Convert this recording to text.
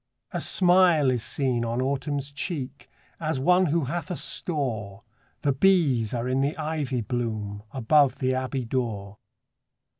A smile is seen on Autumn's cheek, As one who hath a store ; The bees are in the ivy bloom, Above the abbey door.